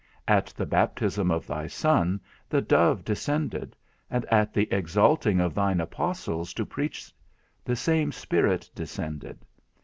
At the baptism of thy Son, the Dove descended, and at the exalting of thine apostles to preach, the same Spirit descended.